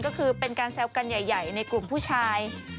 ก็คือเป็นการแซวกันใหญ่ในกลุ่มผู้ชาย